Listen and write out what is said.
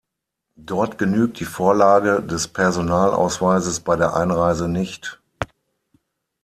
Dort genügt die Vorlage des Personalausweises bei der Einreise nicht.